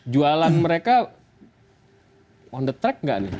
jualan mereka on the track nggak nih